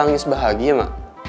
areya mbak ia